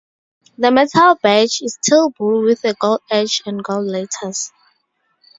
The metal badge is teal blue with a gold edge and gold letters.